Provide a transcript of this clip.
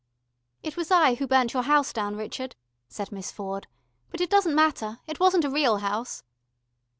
"It was I who burnt your house down, Richard," said Miss Ford. "But it doesn't matter. It wasn't a real house."